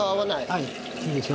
はいいいですよ。